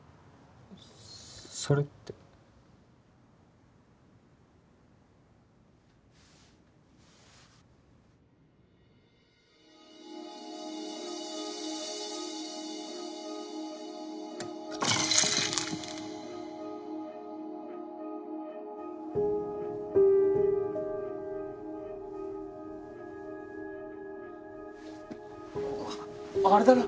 それってあれだろ？